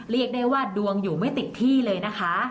เรียกได้ว่าดวงอยู่ไม่ติดที่เลยนะคะ